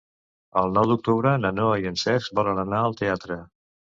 El nou d'octubre na Noa i en Cesc volen anar al teatre.